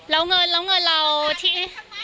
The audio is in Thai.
แล้วเงินเราที่